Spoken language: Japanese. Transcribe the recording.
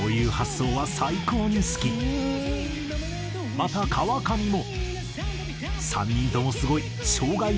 また川上も。